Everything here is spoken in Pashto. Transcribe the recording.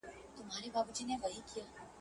هم د کور غل دی هم دروغجن دی !.